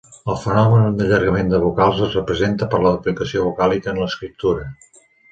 El fenomen d'allargament de vocals es representa per la duplicació vocàlica en l'escriptura.